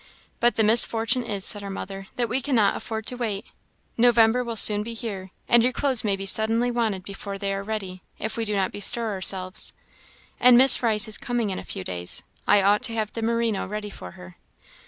"But the misfortune is," said her mother, "that we cannot afford to wait. November will soon be here, and your clothes may be suddenly wanted before they are ready, if we do not bestir ourselves. And Miss Rice is coming in a few days I ought to have the merino ready for her."